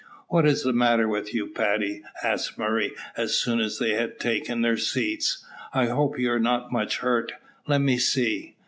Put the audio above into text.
"What is the matter with you, Paddy?" asked Murray, as soon as they had taken their seats. "I hope you are not much hurt. Let me see."